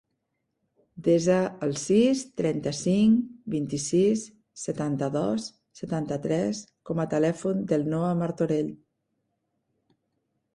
Desa el sis, trenta-cinc, vint-i-sis, setanta-dos, setanta-tres com a telèfon del Noah Martorell.